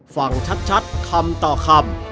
ฟังชัดคำต่อคำ